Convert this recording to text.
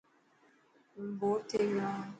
هون بور ٿي گيو هان.